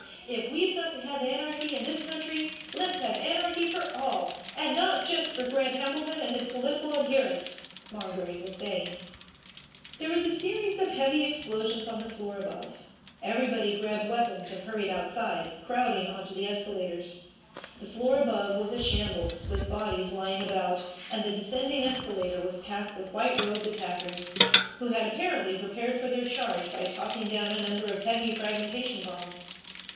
If we've got to have anarchy in this country, let's have anarchy for all, and not just for Grant Hamilton and his political adherents!" Mongery was saying. There was a series of heavy explosions on the floor above. Everybody grabbed weapons and hurried outside, crowding onto the escalators. The floor above was a shambles, with bodies lying about, and the descending escalator was packed with white robed attackers, who had apparently prepared for their charge by tossing down a number of heavy fragmentation bombs.